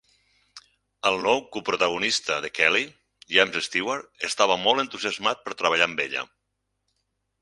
El nou coprotagonista de Kelly, James Stewart, estava molt entusiasmat per treballar amb ella.